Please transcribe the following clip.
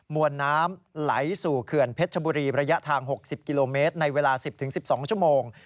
วนน้ำไหลสู่เขื่อนเพชรชบุรีระยะทาง๖๐กิโลเมตรในเวลา๑๐๑๒ชั่วโมง